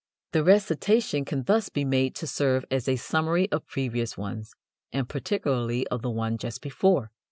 The recitation can thus be made to serve as a summary of previous ones, and particularly of the one just before.